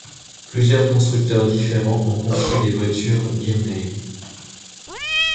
Plusieurs constructeurs différents ont construit des voitures Birney.